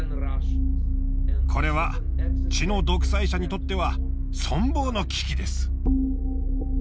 これは血の独裁者にとっては存亡の危機です。